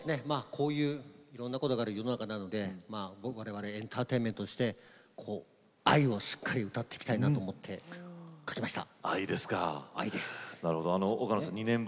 こういうことがある世の中なのでエンターテインメントとして僕たちが愛をしっかり歌っていきたいなと思って書きました。